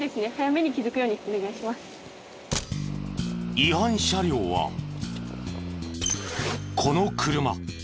違反車両はこの車。